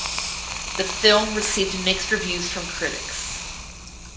The film has received mixed reviews from critics.